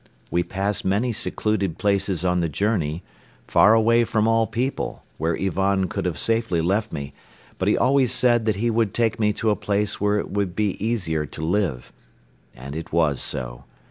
We passed many secluded places on the journey, far away from all people, where Ivan could have safely left me but he always said that he would take me to a place where it would be easier to live. And it was so.